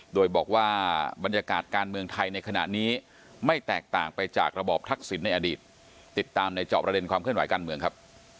โดยบอกว่าบรรยากาศการเมืองไทยในขณะนี้ไม่แตกต่างไปจากระบอบทักษิณในอดีตติดตามในจอบประเด็นความเคลื่อนไหวการเมืองครับ